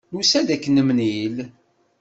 Nusa-d ad k-nemlil.